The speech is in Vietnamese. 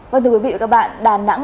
vâng thưa quý vị và các bạn đà nẵng